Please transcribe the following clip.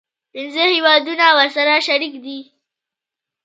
پنځه هیوادونه ورسره شریک دي.